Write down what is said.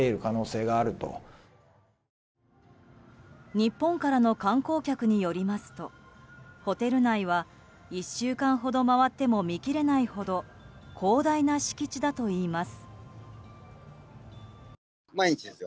日本からの観光客によりますとホテル内は１週間ほど回っても見きれないほど広大な敷地だといいます。